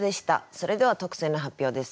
それでは特選の発表です。